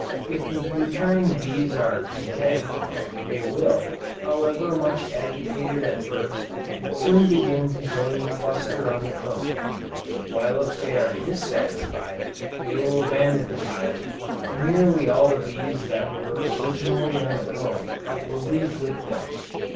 If the returning bees are content, they will, however much agitated at first, soon begin to join the cluster on the comb; while if they are dissatisfied, they will abandon the hive, and nearly all the bees that were originally on the comb, will leave with them.